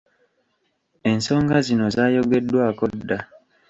Ensonga zino zaayogeddwako dda.